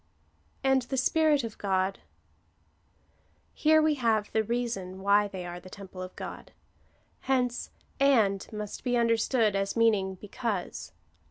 And the Spirit of God. Here we have the reason why they are the temple of God. Hence and must be understood as meaning because.